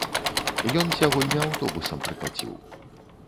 Ён сягоння аўтобусам прыкаціў.